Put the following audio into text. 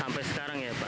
sampai sekarang ya pak